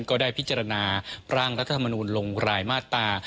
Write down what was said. ก็ได้พิจารณาร่างรัฐธรรมนูลลงรายมาตรา